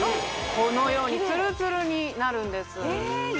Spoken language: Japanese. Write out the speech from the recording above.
このようにツルツルになるんですえ